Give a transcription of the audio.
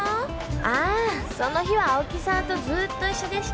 ああその日は青木さんとずっと一緒でした。